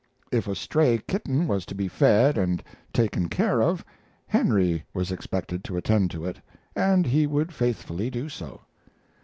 If a stray kitten was to be fed and taken care of Henry was expected to attend to it, and he would faithfully do so.